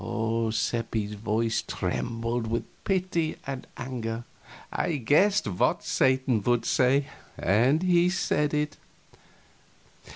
Seppi's voice trembled with pity and anger. I guessed what Satan would say, and he said it.